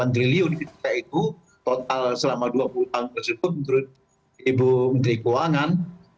satu ratus tiga puluh delapan triliun itu total selama dua puluh tahun tersebut menurut ibu menteri keuangan